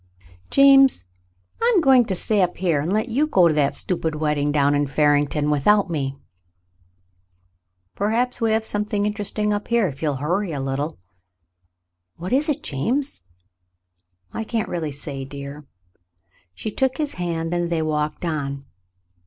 "James, I'm going to stay up here and let you go to that stupid wedding down in Farington without me." "Perhaps we may have something interesting up here, if you'll hurry a little." "What is it, James ?" "I really can't say, dear." She took his hand, and they walked on.